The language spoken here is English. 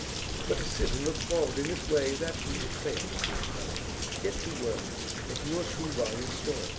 'But to sit and look forward in this way is absolutely fatal, my dear fellow. Get to work at your two volume story.